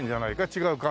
違うか？